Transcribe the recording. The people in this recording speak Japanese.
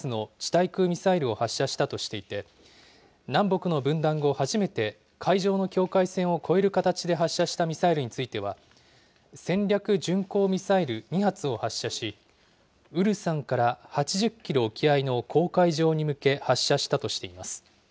対空ミサイルを発射したとしていて、南北の分断後初めて、海上の境界線を越える形で発射したミサイルについては、戦略巡航ミサイル２発を発射し、ウルサンから８０キロ沖合の公海上に向け発射したとしています。